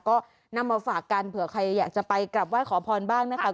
ก็นำมาฝากกันเผื่อใครอยากจะไปกลับไหว้ขอพรบ้างนะคะ